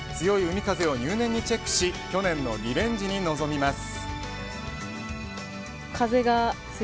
強い海風を入念にチェックし去年のリベンジに臨みます。